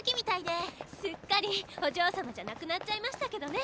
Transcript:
すっかりお嬢様じゃなくなっちゃいましたけどね